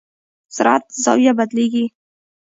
سرعت زاویه بدلېږي.